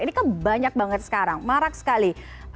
ini kan banyak banget sekarang marak sekali